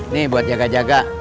nih buat jaga jaga